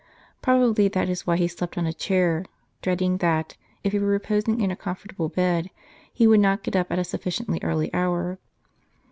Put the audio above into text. Probably that is why he slept on a chair, dreading that, if he were reposing in a comfortable bed, he would not get up at a sufficiently early hour.